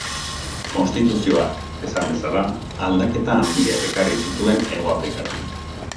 Konstituzio hark, esan bezala, aldaketa handiak ekarri zituen Hegoafrikara.